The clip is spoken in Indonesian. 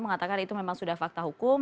mengatakan itu memang sudah fakta hukum